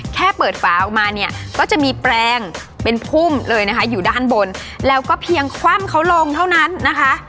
แค่เปิดฝาออกมาเนี่ยก็จะมีแปลงเป็นพุ่มเลยนะคะอยู่ด้านบนแล้วก็เพียงคว่ำเขาลงเท่านั้นนะคะ